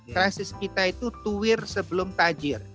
krisis kita itu twir sebelum tajir